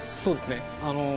そうですね